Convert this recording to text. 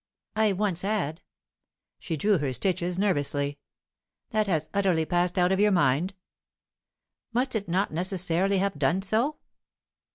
"I once had." She drew her stitches nervously. "That has utterly passed out of your mind?" "Must it not necessarily have done so?"